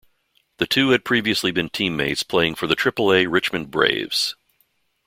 The two had previously been teammates playing for the Triple-A Richmond Braves.